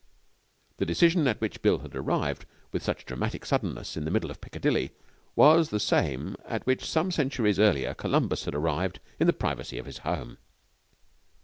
The decision at which Bill had arrived with such dramatic suddenness in the middle of Piccadilly was the same at which some centuries earlier Columbus had arrived in the privacy of his home.